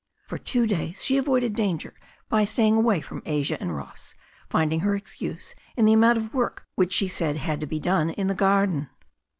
For two days she avoided danger by staying away from Asia and Ross, finding her excuse in the amount of work which she said had to be done in the garden.